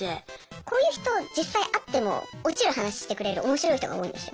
こういう人実際会っても落ちる話してくれるおもしろい人が多いんですよ。